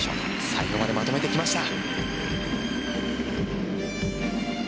最後までまとめてきました。